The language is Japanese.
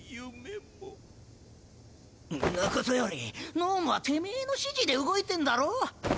んなことより脳無はてめェの指示で動いてんだろォ！？